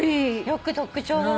よく特徴が。